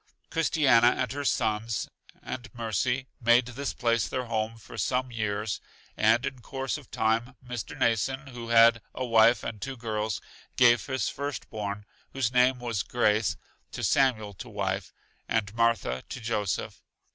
Christiana and her sons and Mercy made this place their home for some years, and in course of time Mr. Mnason, who had a wife and two girls, gave his first born, whose name was Grace, to Samuel to wife, and Martha to Joseph.